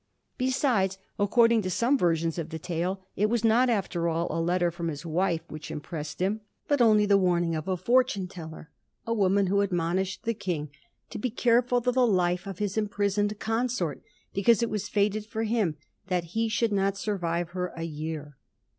xvtl Besides, according to some versions of the tale, it was not, after all, a letter from his wife which impressed him, but only the warning of a fortune teller — a woman who admonished the King to be careful of the life of his imprisoned consort, because it was fated for hiTn that he should not survive her a year.